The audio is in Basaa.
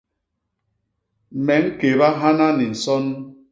Me ñkéba hana ni nson.